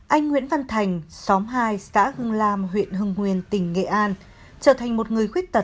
anh nguyễn văn thành xóm hai xã hưng lam huyện hưng huyền tỉnh nghệ an trở thành một người khuyết tật từ năm hai nghìn một mươi hai